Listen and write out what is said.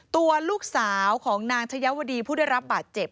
ตัวลูกสาวของนางชะยาวดีผู้ได้รับบาดเจ็บ